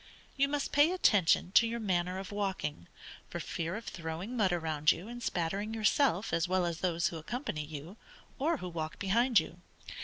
You must pay attention to your manner of walking, for fear of throwing mud around you, and spattering yourself as well as those who accompany you, or who walk behind you.